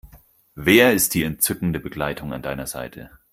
Wer ist die entzückende Begleitung an deiner Seite?